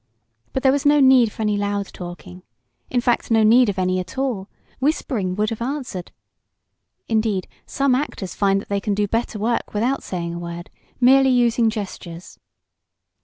But there was no need for any loud talking in fact, no need of any at all whispering would have answered. Indeed some actors find that they can do better work without saying a word merely using gestures.